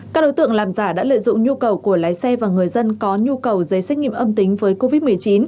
các đối tượng làm giả đã lợi dụng nhu cầu của lái xe và người dân có nhu cầu giấy xét nghiệm âm tính với covid một mươi chín